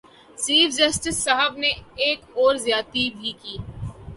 Chief justice صاحب نے ایک اور زیادتی بھی کی۔